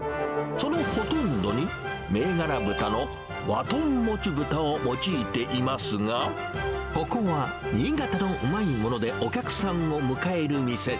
そのほとんどに、銘柄豚の和豚もちぶたを用いていますが、ここは新潟のうまいものでお客さんを迎える店。